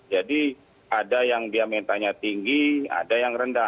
jadi ada yang dia mintanya tinggi ada yang rendah